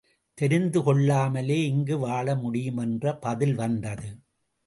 தெரிந்து கொள்ளாமலே இங்கு வாழ முடியும் என்ற பதில் வந்தது.